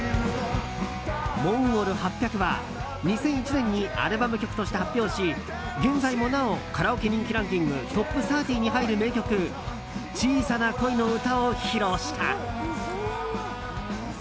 ＭＯＮＧＯＬ８００は２００１年にアルバム曲として発表し現在もなおカラオケ人気ランキングトップ３０に入る名曲「小さな恋のうた」を披露した。